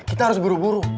kita harus buru buru